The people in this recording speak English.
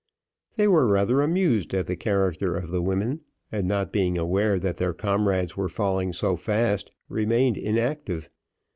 They were rather amused at the character of the women, and not being aware that their comrades were falling so fast, remained inactive.